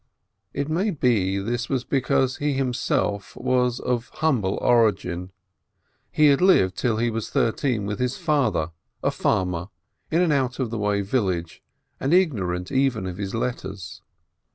It may be this was because he himself was of humble origin ; he had lived till he was thirteen with his father, a farmer, in an out of the way village, and igno rant even of his letters.